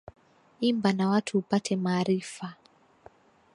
Imba na watu upate maarifa